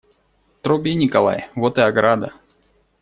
Труби, Николай, вот и ограда.